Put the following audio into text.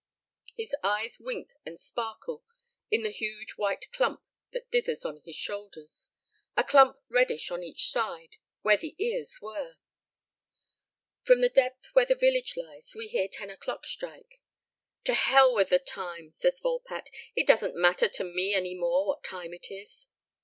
His eyes wink and sparkle in the huge white clump that dithers on his shoulders a clump reddish on each side, where the ears were. From the depth where the village lies we hear ten o'clock strike. "To hell with the time," says Volpatte "it doesn't matter to me any more what time it is."